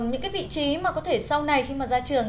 những cái vị trí mà có thể sau này khi mà ra trường